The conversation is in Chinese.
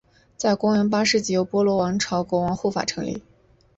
在公元八世纪由波罗王朝国王护法成立。